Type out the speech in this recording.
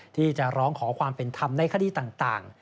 ที่จะร้องขอความเป็นธรรมในคดีต่าง